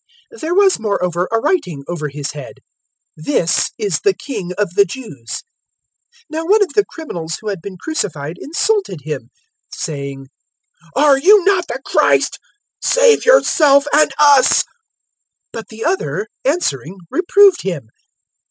023:038 There was moreover a writing over His head: THIS IS THE KING OF THE JEWS. 023:039 Now one of the criminals who had been crucified insulted Him, saying, "Are not you the Christ? Save yourself and us." 023:040 But the other, answering, reproved him.